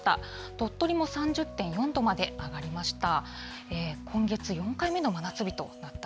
鳥取も３０．４度まで上がりました。